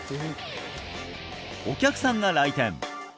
お客さんが来店